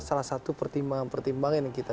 salah satu pertimbangan pertimbangan yang kita